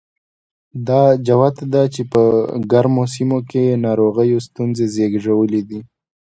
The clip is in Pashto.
دا جوته ده چې په ګرمو سیمو کې ناروغیو ستونزې زېږولې.